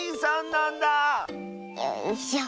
よいしょ。